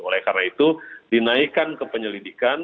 oleh karena itu dinaikkan ke penyelidikan